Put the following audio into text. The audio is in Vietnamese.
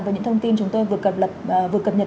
với những thông tin chúng tôi vừa cập nhật